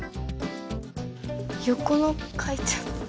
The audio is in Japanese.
横の書いちゃった。